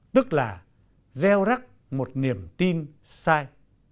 tức là gieo rắc một niềm tin sai